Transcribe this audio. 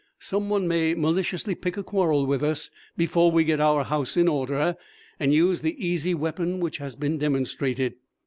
Some one may maliciously pick a quarrel with us before we get our house in order, and use the easy weapon which has been demonstrated.